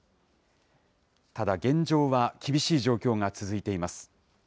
ただ、現状は厳しい状況が続いています。